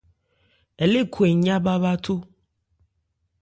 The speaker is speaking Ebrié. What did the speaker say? Ɛ le khwɛ́n nyá bhá bháthó.